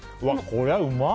こりゃうまっ！